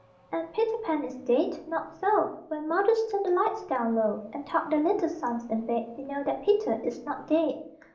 And Peter Pan is dead? Not so! When mothers turn the lights down low And tuck their little sons in bed, They know that Peter is not dead....